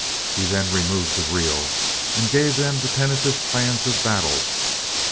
He then removed the reel and gave them the tentative plans of battle.